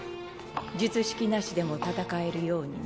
術式なしでも戦えるようにね。